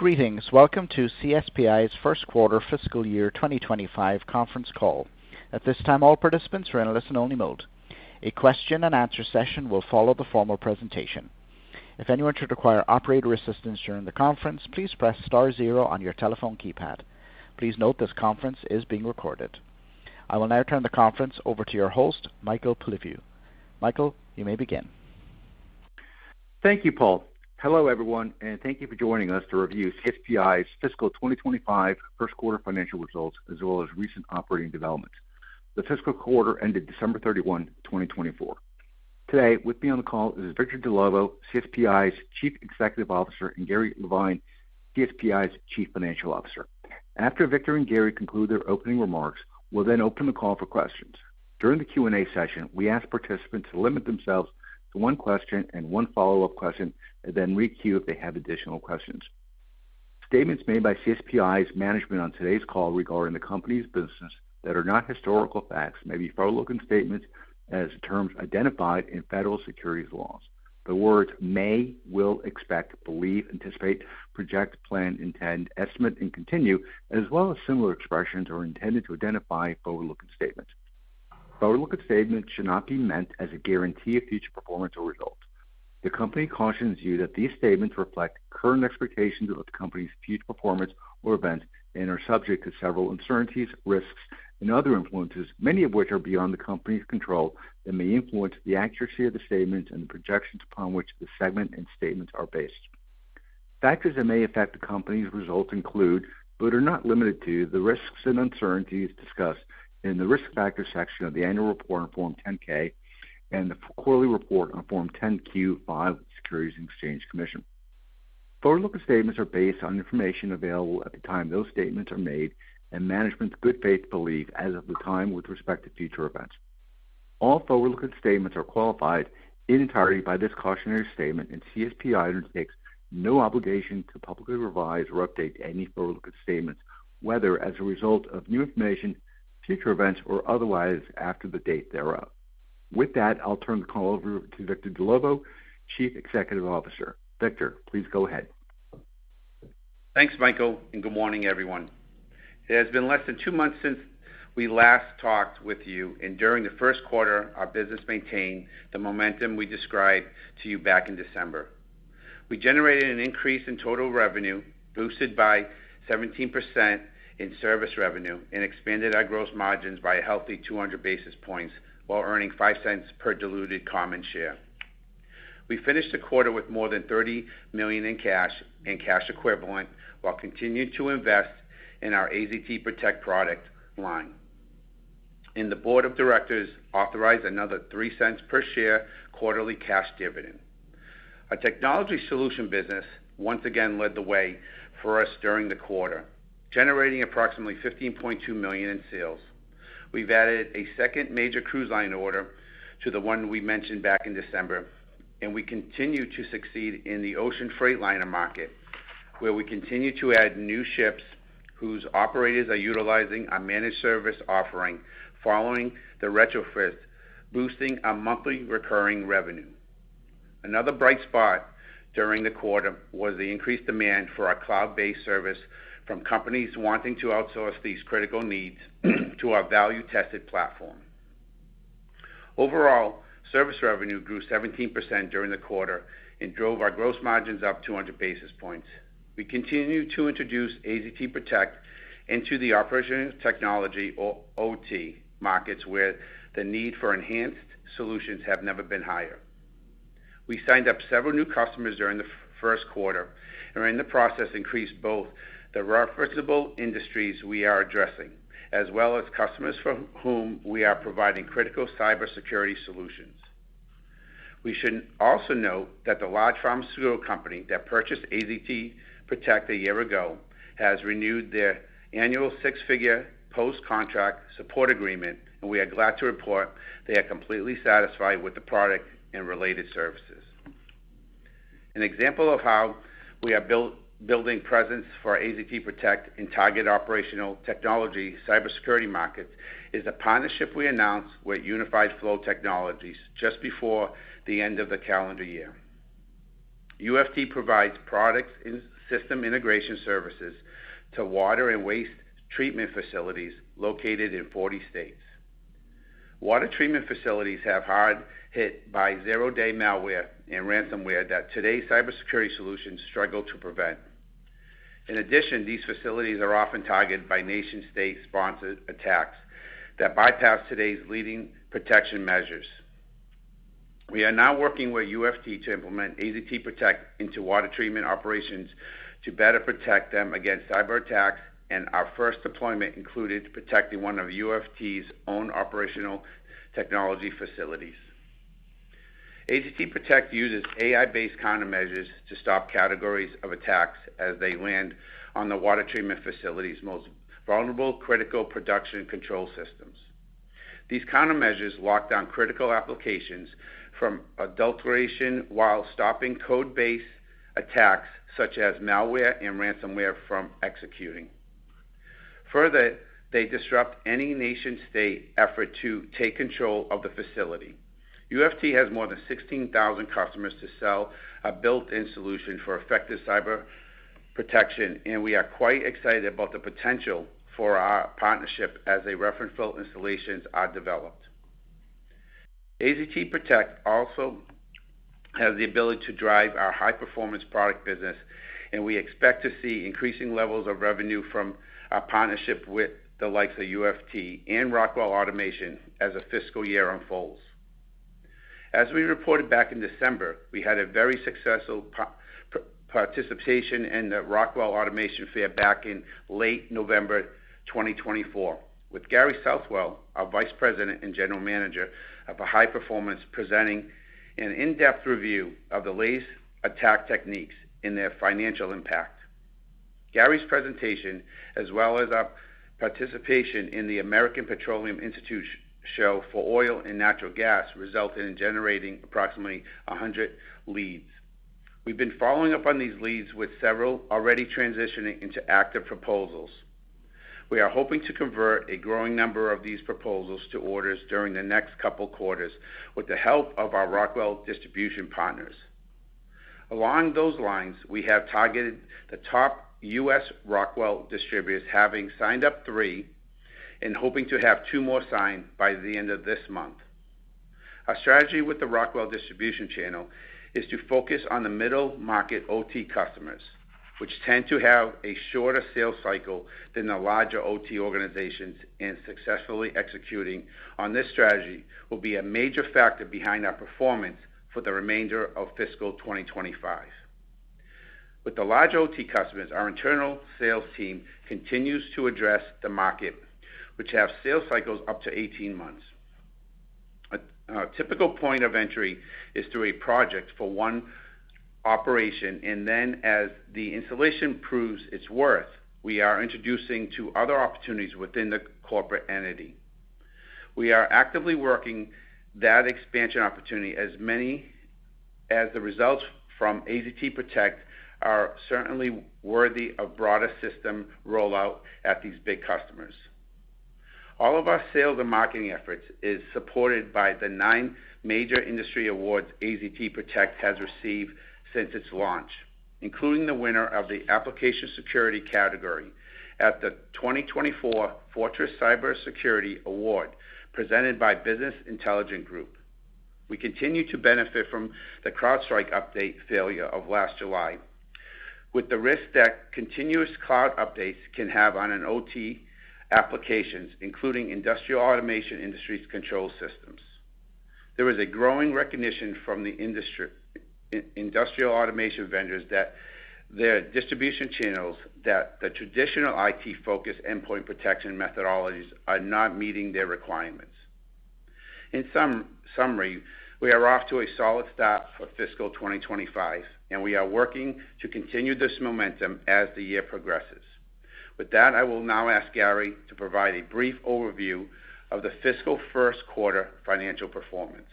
Greetings. Welcome to CSPi's First Quarter Fiscal Year 2025 Conference Call. At this time, all participants are in a listen-only mode. A question-and-answer session will follow the formal presentation. If anyone should require operator assistance during the conference, please press * zero on your telephone keypad. Please note this conference is being recorded. I will now turn the conference over to your host, Michael Polyviou. Michael Polyviou, you may begin. Thank you, Paul. Hello, everyone, and thank you for joining us to review CSPi's Fiscal 2025 First Quarter Financial results, as well as recent operating developments. The fiscal quarter ended December 31, 2024. Today, with me on the call is Victor Dellovo, CSPi's Chief Executive Officer, and Gary Levine, CSPi's Chief Financial Officer. After Victor Dellovo and Gary Levine conclude their opening remarks, we'll then open the call for questions. During the Q&A session, we ask participants to limit themselves to one question and one follow-up question, and then re-queue if they have additional questions. Statements made by CSPi's management on today's call regarding the company's business that are not historical facts may be forward-looking statements as terms identified in federal securities laws. The words may, will, expect, believe, anticipate, project, plan, intend, estimate, and continue, as well as similar expressions, are intended to identify forward-looking statements. Forward-looking statements should not be meant as a guarantee of future performance or results. The company cautions you that these statements reflect current expectations of the company's future performance or events and are subject to several uncertainties, risks, and other influences, many of which are beyond the company's control and may influence the accuracy of the statements and the projections upon which the segment and statements are based. Factors that may affect the company's results include, but are not limited to, the risks and uncertainties discussed in the risk factor section of the annual report on Form 10-K and the quarterly report on Form 10-Q filed with the Securities and Exchange Commission. Forward-looking statements are based on information available at the time those statements are made and management's good faith belief as of the time with respect to future events. All forward-looking statements are qualified in entirety by this cautionary statement, and CSPi undertakes no obligation to publicly revise or update any forward-looking statements, whether as a result of new information, future events, or otherwise after the date thereof. With that, I'll turn the call over to Victor Dellovo, Chief Executive Officer. Victor Dellovo, please go ahead. Thanks, Michael Polyviou, and good morning, everyone. It has been less than two months since we last talked with you, and during the first quarter, our business maintained the momentum we described to you back in December. We generated an increase in total revenue boosted by 17% in service revenue and expanded our gross margins by a healthy 200 basis points while earning $0.05 per diluted common share. We finished the quarter with more than $30 million in cash and cash equivalent while continuing to invest in our AZT PROTECT product line. The board of directors authorized another $0.03 per share quarterly cash dividend. Our technology solution business once again led the way for us during the quarter, generating approximately $15.2 million in sales. We've added a second major cruise line order to the one we mentioned back in December, and we continue to succeed in the ocean freight liner market, where we continue to add new ships whose operators are utilizing our managed service offering following the retrofit, boosting our monthly recurring revenue. Another bright spot during the quarter was the increased demand for our cloud-based service from companies wanting to outsource these critical needs to our value-tested platform. Overall, service revenue grew 17% during the quarter and drove our gross margins up 200 basis points. We continue to introduce AZT PROTECT into the operational technology or OT markets, where the need for enhanced solutions has never been higher. We signed up several new customers during the first quarter, and we're in the process of increasing both the referenceable industries we are addressing, as well as customers for whom we are providing critical cybersecurity solutions. We should also note that the large pharmaceutical company that purchased AZT PROTECT a year ago has renewed their annual six-figure post-contract support agreement, and we are glad to report they are completely satisfied with the product and related services. An example of how we are building presence for AZT PROTECT in target operational technology cybersecurity markets is the partnership we announced with United Flow Technologies just before the end of the calendar year. UFT provides products and system integration services to water and waste treatment facilities located in 40 states. Water treatment facilities have been hard hit by zero-day malware and ransomware that today's cybersecurity solutions struggle to prevent. In addition, these facilities are often targeted by nation-state-sponsored attacks that bypass today's leading protection measures. We are now United Flow Technologies to implement AZT PROTECT into water treatment operations to better protect them against cyberattacks, and our first deployment included protecting United Flow Technologies' own operational technology facilities. AZT PROTECT uses AI-based countermeasures to stop categories of attacks as they land on the water treatment facility's most vulnerable critical production control systems. These countermeasures lock down critical applications from adulteration while stopping code-based attacks such as malware and ransomware from executing. Further, they disrupt any nation-state effort to take control of United Flow Technologies has more than 16,000 customers to sell a built-in solution for effective cyber protection, and we are quite excited about the potential for our partnership as referenceable installations are developed. AZT PROTECT also has the ability to drive our high-performance product business, and we expect to see increasing levels of revenue from our partnership with the likes of UFT and Rockwell Automation as the fiscal year unfolds. As we reported back in December, we had a very successful participation in the Rockwell Automation Fair back in late November 2024, with Gary Southwell, our Vice President and General Manager of High Performance, presenting an in-depth review of the latest attack techniques and their financial impact. Gary Levine's presentation, as well as our participation in the American Petroleum Institute's show for oil and natural gas, resulted in generating approximately 100 leads. We've been following up on these leads with several already transitioning into active proposals. We are hoping to convert a growing number of these proposals to orders during the next couple of quarters with the help of our Rockwell distribution partners. Along those lines, we have targeted the top U.S. Rockwell distributors, having signed up three and hoping to have two more signed by the end of this month. Our strategy with the Rockwell distribution channel is to focus on the middle market OT customers, which tend to have a shorter sales cycle than the larger OT organizations, and successfully executing on this strategy will be a major factor behind our performance for the remainder of fiscal 2025. With the larger OT customers, our internal sales team continues to address the market, which has sales cycles up to 18 months. A typical point of entry is through a project for one operation, and then as the installation proves its worth, we are introducing to other opportunities within the corporate entity. We are actively working that expansion opportunity as many as the results from AZT PROTECTare certainly worthy of broader system rollout at these big customers. All of our sales and marketing efforts are supported by the nine major industry awards AZT PROTECT has received since its launch, including the winner of the Application Security category at the 2024 Fortress Cybersecurity Award presented by Business Intelligence Group. We continue to benefit from the CrowdStrike update failure of last July, with the risk that continuous cloud updates can have on OT applications, including industrial automation industry's control systems. There is a growing recognition from the industrial automation vendors that their distribution channels, that the traditional IT-focused endpoint protection methodologies, are not meeting their requirements. In summary, we are off to a solid start for fiscal 2025, and we are working to continue this momentum as the year progresses. With that, I will now ask Gary Levine to provide a brief overview of the fiscal first quarter financial performance.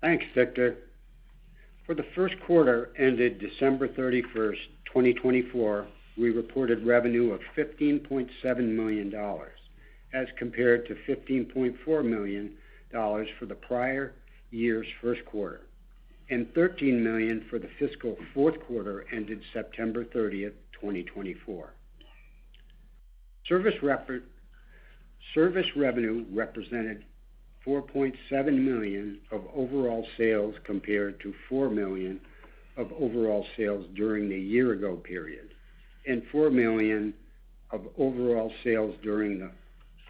Thanks, Victor Dellovo. For the first quarter ended December 31, 2024, we reported revenue of $15.7 million as compared to $15.4 million for the prior year's first quarter and $13 million for the fiscal fourth quarter ended September 30, 2024. Service revenue represented $4.7 million of overall sales compared to $4 million of overall sales during the year-ago period and $4 million of overall sales during the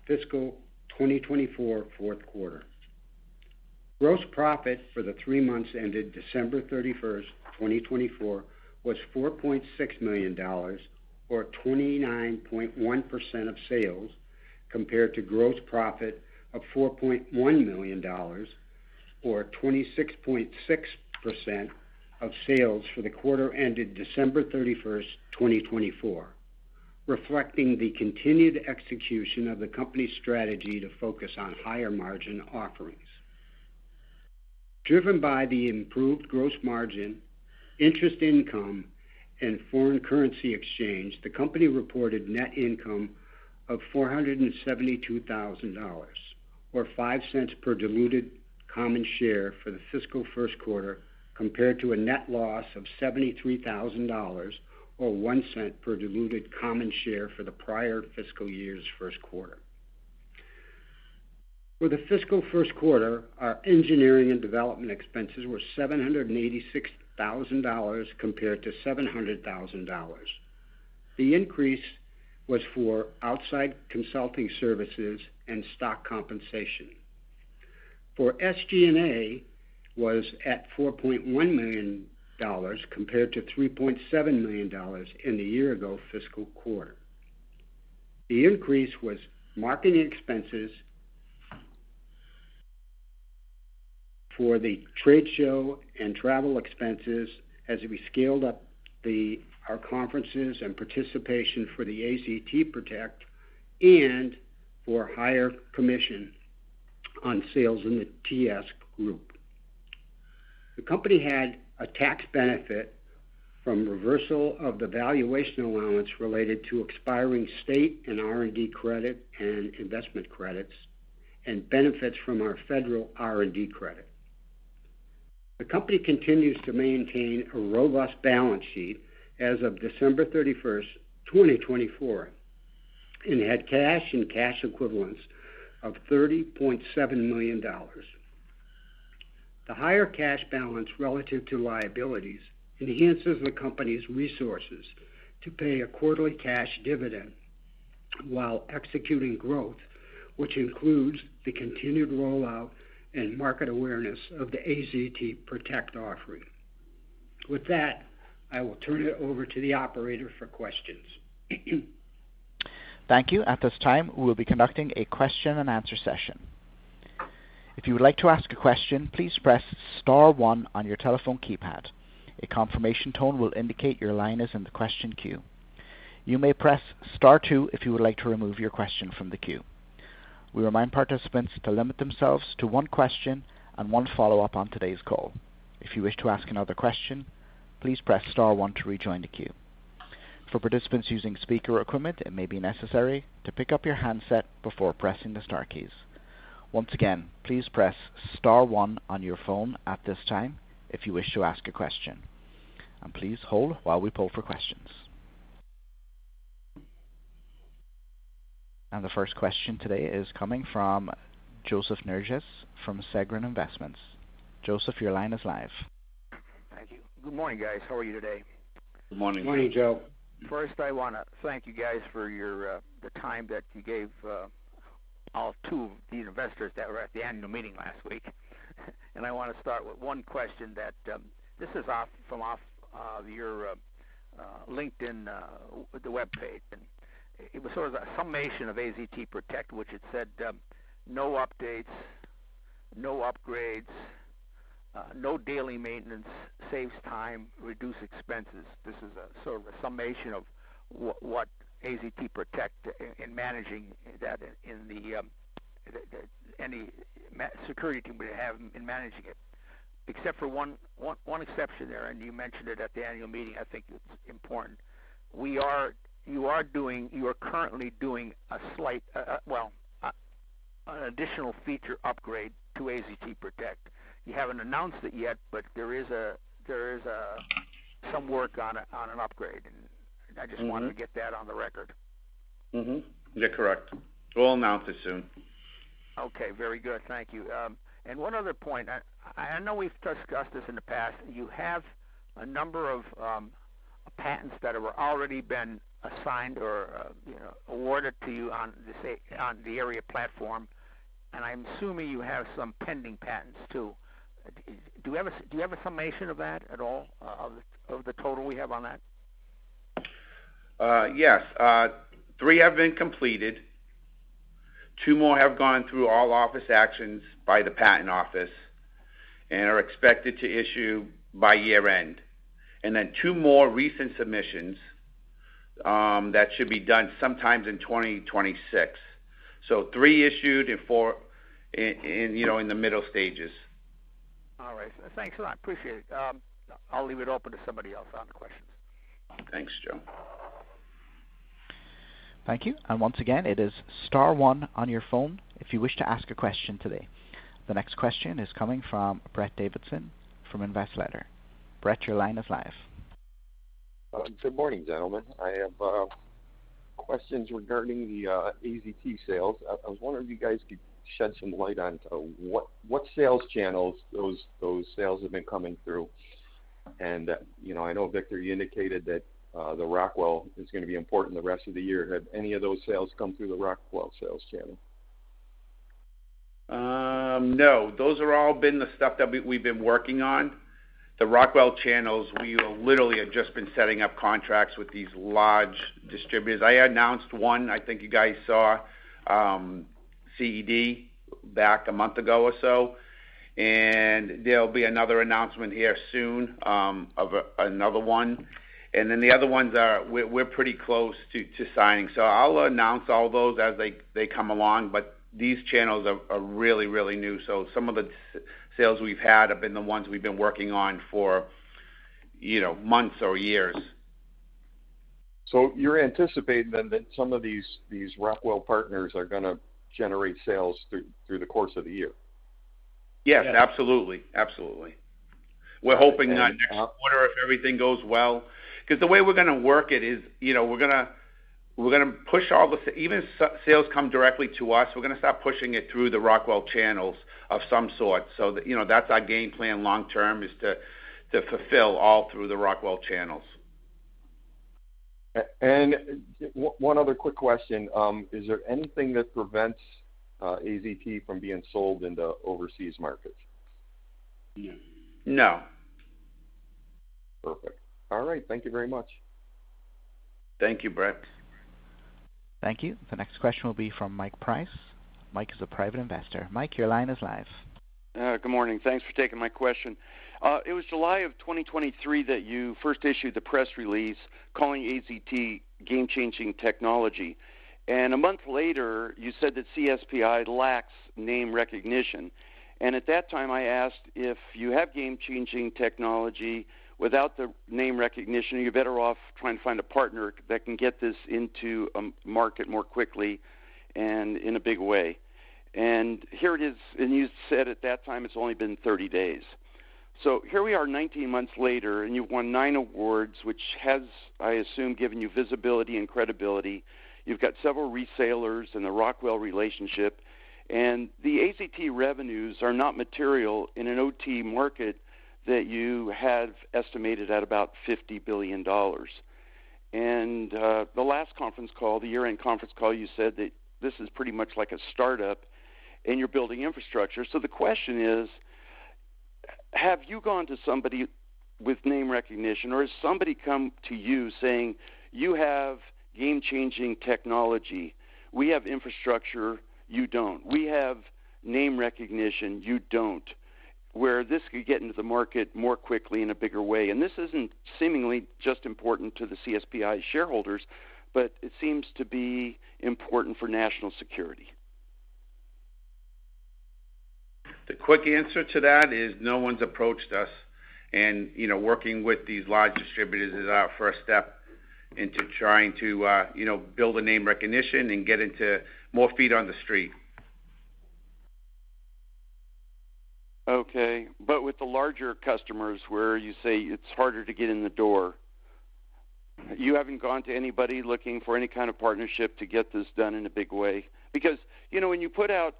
fiscal 2024 fourth quarter. Gross profit for the three months ended December 31, 2024, was $4.6 million, or 29.1% of sales, compared to gross profit of $4.1 million, or 26.6% of sales for the quarter ended December 31, 2023, reflecting the continued execution of the company's strategy to focus on higher-margin offerings. Driven by the improved gross margin, interest income, and foreign currency exchange, the company reported net income of $472,000, or $0.05 per diluted common share for the fiscal first quarter, compared to a net loss of $73,000, or $0.01 per diluted common share for the prior fiscal year's first quarter. For the fiscal first quarter, our engineering and development expenses were $786,000 compared to $700,000. The increase was for outside consulting services and stock compensation. For SG&A, it was at $4.1 million compared to $3.7 million in the year-ago fiscal quarter. The increase was marketing expenses for the trade show and travel expenses as we scaled up our conferences and participation for the AZT PROTECT and for higher commission on sales in the TS group. The company had a tax benefit from reversal of the valuation allowance related to expiring state and R&D credit and investment credits and benefits from our federal R&D credit. The company continues to maintain a robust balance sheet as of December 31, 2024, and had cash and cash equivalents of $30.7 million. The higher cash balance relative to liabilities enhances the company's resources to pay a quarterly cash dividend while executing growth, which includes the continued rollout and market awareness of the AZT PROTECT offering. With that, I will turn it over to the operator for questions. Thank you. At this time, we'll be conducting a question-and-answer session. If you would like to ask a question, please press * 1 on your telephone keypad. A confirmation tone will indicate your line is in the question queue. You may press * 2 if you would like to remove your question from the queue. We remind participants to limit themselves to one question and one follow-up on today's call. If you wish to ask another question, please press * 1 to rejoin the queue. For participants using speaker equipment, it may be necessary to pick up your handset before pressing the Star keys. Once again, please press * 1 on your phone at this time if you wish to ask a question. Please hold while we pull for questions. The first question today is coming from Joseph Nerges from Seger Investments. Joseph Nerges, your line is live. Thank you. Good morning, guys. How are you today? Good morning. Good morning, Joe. First, I want to thank you guys for the time that you gave all two of the investors that were at the annual meeting last week. I want to start with one question that this is from off your LinkedIn, the web page. It was sort of a summation of AZT PROTECT, which had said, "No updates, no upgrades, no daily maintenance saves time, reduce expenses." This is sort of a summation of what AZT PROTECT in managing that in the any security team would have in managing it, except for one exception there, and you mentioned it at the annual meeting. I think it's important. You are currently doing a slight, actually, an additional feature upgrade to AZT PROTECT. You haven't announced it yet, but there is some work on an upgrade, and I just wanted to get that on the record. Yeah, correct. We'll announce it soon. Okay. Very good. Thank you. One other point. I know we've discussed this in the past. You have a number of patents that have already been assigned or awarded to you on the ARIA platform, and I'm assuming you have some pending patents too. Do you have a summation of that at all, of the total we have on that? Yes. Three have been completed. Two more have gone through all office actions by the patent office and are expected to issue by year-end. Two more recent submissions should be done sometime in 2026. Three issued and four in the middle stages. All right. Thanks a lot. Appreciate it. I'll leave it open to somebody else on questions. Thanks, Joe. Thank you. Once again, it is * 1 on your phone if you wish to ask a question today. The next question is coming from Brett Davidson from The Invest Letter. Brett Davidson, your line is live. Good morning, gentlemen. I have questions regarding the AZT sales. I was wondering if you guys could shed some light on what sales channels those sales have been coming through. I know, Victor Dellovo, you indicated that the Rockwell is going to be important the rest of the year. Have any of those sales come through the Rockwell sales channel? No. Those have all been the stuff that we've been working on. The Rockwell channels, we literally have just been setting up contracts with these large distributors. I announced one, I think you guys saw, CED, back a month ago or so. There will be another announcement here soon of another one. The other ones, we're pretty close to signing. I will announce all those as they come along, but these channels are really, really new. Some of the sales we've had have been the ones we've been working on for months or years. You're anticipating then that some of these Rockwell partners are going to generate sales through the course of the year? Yes, absolutely. Absolutely. We're hoping that next quarter, if everything goes well. Because the way we're going to work it is we're going to push all the, even if sales come directly to us, we're going to start pushing it through the Rockwell channels of some sort. That is our game plan long-term, to fulfill all through the Rockwell channels. One other quick question. Is there anything that prevents AZT from being sold into overseas markets? No. Perfect. All right. Thank you very much. Thank you, Brett Davidson. Thank you. The next question will be from Mike Price. Mike Price is a private investor. Mike Price, your line is live. Good morning. Thanks for taking my question. It was July of 2023 that you first issued the press release calling AZT game-changing technology. A month later, you said that CSPi lacks name recognition. At that time, I asked if you have game-changing technology without the name recognition, are you better off trying to find a partner that can get this into a market more quickly and in a big way? Here it is. You said at that time, it's only been 30 days. Here we are 19 months later, and you've won nine awards, which has, I assume, given you visibility and credibility. You've got several resellers and the Rockwell relationship. The AZT revenues are not material in an OT market that you have estimated at about $50 billion. At the last conference call, the year-end conference call, you said that this is pretty much like a startup, and you're building infrastructure. The question is, have you gone to somebody with name recognition, or has somebody come to you saying, "You have game-changing technology. We have infrastructure. You don't. We have name recognition. You don't," where this could get into the market more quickly in a bigger way? This isn't seemingly just important to the CSPi shareholders, but it seems to be important for national security. The quick answer to that is no one's approached us. Working with these large distributors is our first step into trying to build a name recognition and get into more feet on the street. Okay. With the larger customers, where you say it's harder to get in the door, you haven't gone to anybody looking for any kind of partnership to get this done in a big way? Because when you put out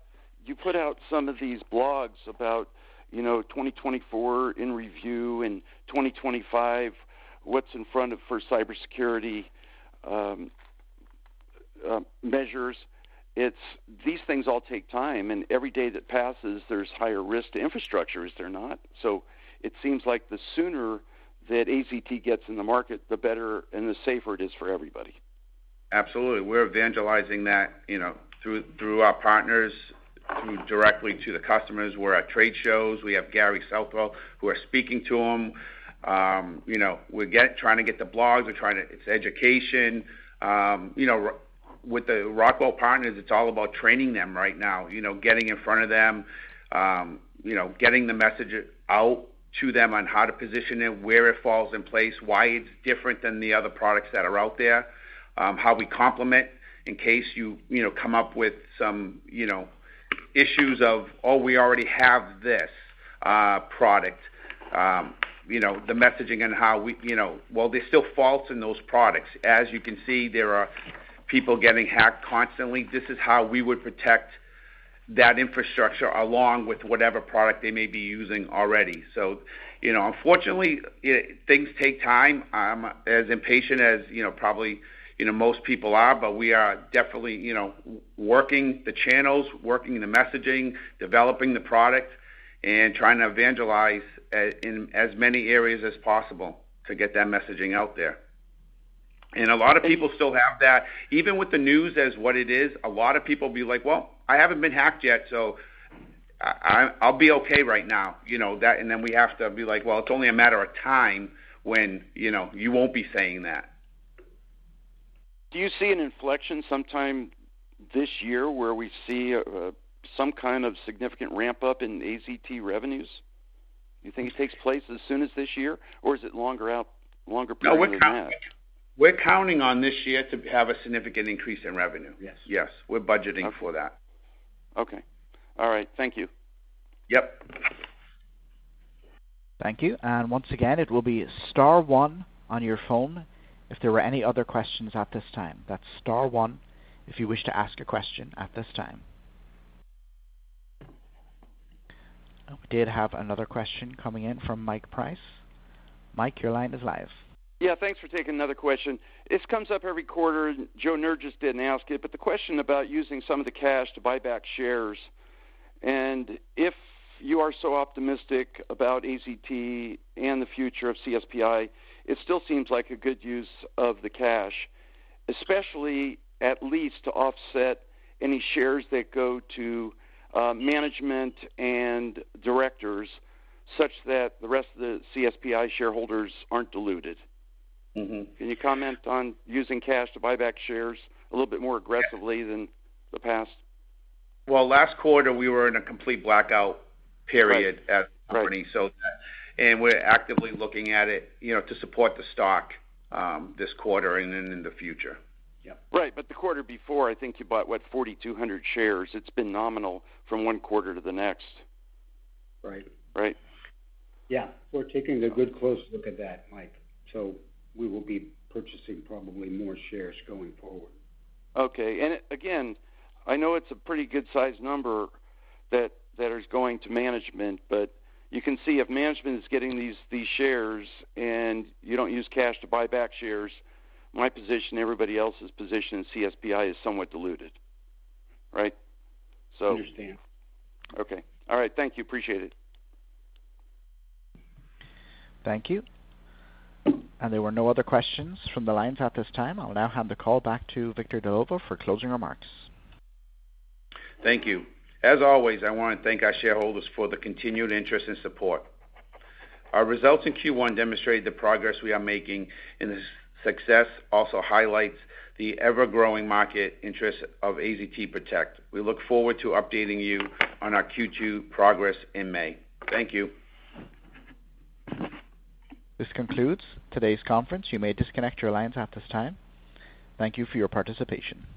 some of these blogs about 2024 in review and 2025, what's in front of for cybersecurity measures, these things all take time. Every day that passes, there's higher risk to infrastructure as they're not. It seems like the sooner that AZT gets in the market, the better and the safer it is for everybody. Absolutely. We're evangelizing that through our partners, directly to the customers. We're at trade shows. We have Gary Southwell who is speaking to them. We're trying to get the blogs. It's education. With the Rockwell partners, it's all about training them right now, getting in front of them, getting the message out to them on how to position it, where it falls in place, why it's different than the other products that are out there, how we complement in case you come up with some issues of, "Oh, we already have this product." The messaging and how, "Well, there's still faults in those products." As you can see, there are people getting hacked constantly. This is how we would protect that infrastructure along with whatever product they may be using already. Unfortunately, things take time. I'm as impatient as probably most people are, but we are definitely working the channels, working the messaging, developing the product, and trying to evangelize in as many areas as possible to get that messaging out there. A lot of people still have that. Even with the news as what it is, a lot of people be like, "Well, I haven't been hacked yet, so I'll be okay right now." We have to be like, "Well, it's only a matter of time when you won't be saying that. Do you see an inflection sometime this year where we see some kind of significant ramp-up in AZT revenues? Do you think it takes place as soon as this year, or is it longer period than that? We're counting on this year to have a significant increase in revenue. Yes. We're budgeting for that. Okay. All right. Thank you. Yep. Thank you. Once again, it will be * 1 on your phone. If there are any other questions at this time, that's * 1 if you wish to ask a question at this time. We did have another question coming in from Mike Price. Mike Price, your line is live. Yeah. Thanks for taking another question. This comes up every quarter. Joseph Nerges did not ask it, but the question about using some of the cash to buy back shares. If you are so optimistic about AZT and the future of CSPi, it still seems like a good use of the cash, especially at least to offset any shares that go to management and directors such that the rest of the CSPi shareholders are not diluted. Can you comment on using cash to buy back shares a little bit more aggressively than the past? Last quarter, we were in a complete blackout period at the company, and we're actively looking at it to support the stock this quarter and then in the future. Yeah. Right. The quarter before, I think you bought, what, 4,200 shares. It's been nominal from one quarter to the next. Right. Right? Yeah. We're taking a good close look at that, Mike. We will be purchasing probably more shares going forward. Okay. I know it's a pretty good-sized number that is going to management, but you can see if management is getting these shares and you do not use cash to buy back shares, my position, everybody else's position in CSPi is somewhat diluted, right? I understand. Okay. All right. Thank you. Appreciate it. Thank you. There were no other questions from the lines at this time. I'll now hand the call back to Victor Dellovo for closing remarks. Thank you. As always, I want to thank our shareholders for the continued interest and support. Our results in Q1 demonstrate the progress we are making, and the success also highlights the ever-growing market interest of AZT PROTECT. We look forward to updating you on our Q2 progress in May. Thank you. This concludes today's conference. You may disconnect your lines at this time. Thank you for your participation.